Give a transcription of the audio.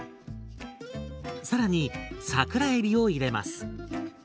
更に桜えびを入れます。